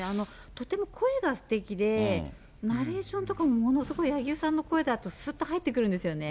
とても声がすてきで、ナレーションとかもものすごい、柳生さんの声だと、すっと入ってくるんですよね。